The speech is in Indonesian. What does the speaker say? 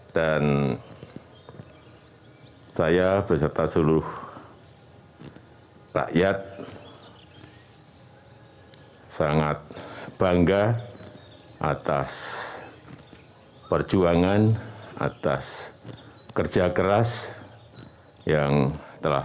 dan saya beserta seluruh rakyat sangat bangga atas perjuangan atas kerja keras yang telah